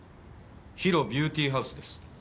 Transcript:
ＨＩＲＯビューティーハウスです。